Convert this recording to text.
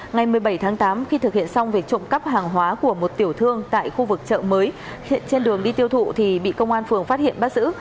ngày một mươi bảy tháng tám khi thực hiện xong về trộm cắp hàng hóa của một tiểu thương tại khu vực chợ mới hiện trên đường đi tiêu thụ thì bị công an phường phát hiện bắt giữ